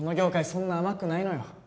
そんな甘くないのよ